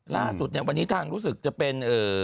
ล่าสุดเนี่ยวันนี้ทางรู้สึกจะเป็น